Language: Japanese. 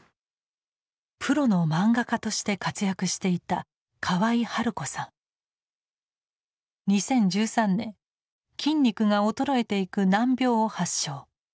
プロの漫画家として活躍していた２０１３年筋肉が衰えていく難病を発症。